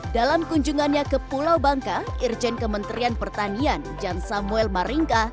dalam kunjungannya ke pulau bangka irjen kementerian pertanian jan samuel maringka